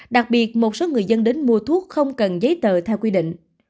đặc biệt một số người dân đến mua thuốc không cần giấy tờ theo quy định